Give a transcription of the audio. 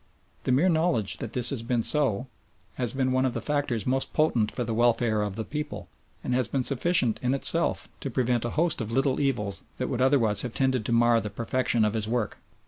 The mere knowledge that this has been so has been one of the factors most potent for the welfare of the people, and has been sufficient in itself to prevent a host of little evils that would otherwise have tended to mar the perfection of his work.